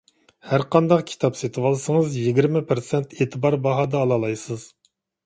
ھەرقانداق كىتاب سېتىۋالسىڭىز، يىگىرمە پىرسەنت ئېتىبار باھادا ئالالايسىز.